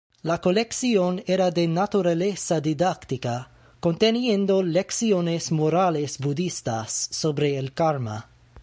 La colección era de naturaleza didáctica, conteniendo lecciones morales budistas sobre el karma.